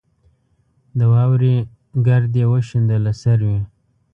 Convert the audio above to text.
د واورې ګرد یې وشینده له سروې